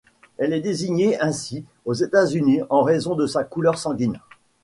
Elle est désignée ainsi, aux États-Unis, en raison de sa couleur sanguine.